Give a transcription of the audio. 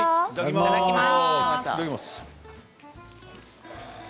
いただきます。